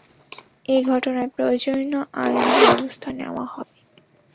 এ ঘটনায় প্রয়োজনীয় আইনি ব্যবস্থা নেওয়া হবে।